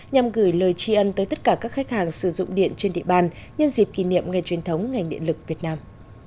nhằm gửi lời tri ân tới tất cả các khách hàng sử dụng điện trên địa bàn nhân dịp kỷ niệm ngày truyền thống ngành điện lực việt nam